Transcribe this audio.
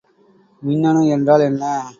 மின்னணு என்றால் என்ன?